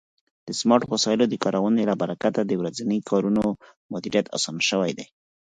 د سمارټ وسایلو د کارونې له برکت د ورځني کارونو مدیریت آسانه شوی دی.